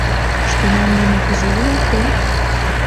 — Шкенан дене кузе илат гын?